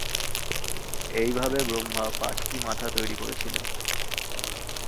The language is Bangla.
এইভাবে, ব্রহ্মা পাঁচটি মাথা তৈরি করেছিলেন।